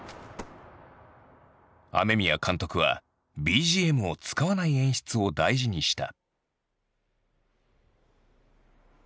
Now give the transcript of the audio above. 雨宮監督はＢＧＭを使わない演出を大事にした。